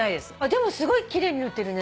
でもすごい奇麗に塗ってるね。